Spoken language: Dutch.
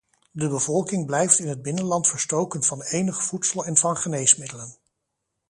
De bevolking blijft in het binnenland verstoken van enig voedsel en van geneesmiddelen.